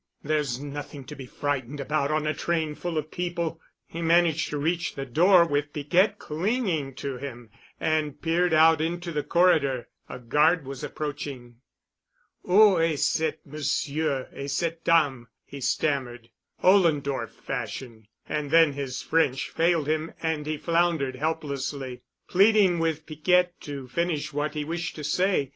"There's nothing to be frightened about on a train full of people——" He managed to reach the door with Piquette clinging to him and peered out into the corridor. A guard was approaching. "Ou est ce monsieur et cette dame——" he stammered, Ollendorf fashion, and then his French failed him and he floundered helplessly, pleading with Piquette to finish what he wished to say.